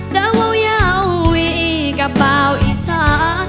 สว่าวเยาวีกระเป๋าอีสาน